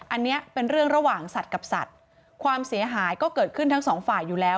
อันนี้เป็นเรื่องระหว่างสัตว์กับสัตว์ความเสียหายก็เกิดขึ้นทั้งสองฝ่ายอยู่แล้ว